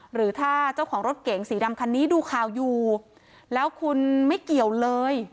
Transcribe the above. หรือถ้าเจ้าของรถเก๋งสีดำคันนี้ดูข่าวอยู่แล้วคุณไม่เกี่ยวเลย